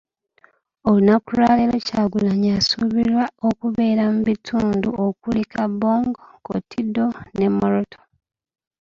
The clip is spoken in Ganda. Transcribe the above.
Olunaku lwaleero Kyagulanyi asuubirwa okubeera mu bitundu okuli; Kaabong, Kotido ne Moroto .